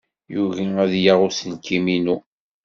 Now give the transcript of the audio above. Yugi ad yaɣ uselkim-inu.